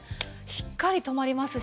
しっかり留まりますし。